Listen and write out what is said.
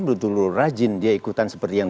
betul betul rajin dia ikutan seperti yang